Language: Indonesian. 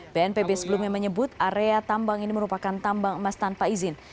bnpb sebelumnya menyebut area tambang ini merupakan tambang emas tanpa izin